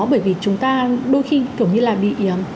bởi vì chúng ta đôi khi kiểu như là bị